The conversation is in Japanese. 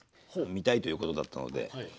見たいということだったので。